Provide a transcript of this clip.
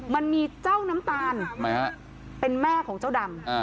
มันมีเจ้าน้ำตาลเป็นแม่ของเจ้าดำ